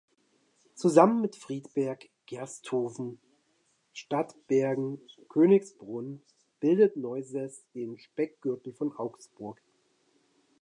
Zusammen mit Friedberg, Gersthofen, Stadtbergen und Königsbrunn bildet Neusäß den Speckgürtel von Augsburg.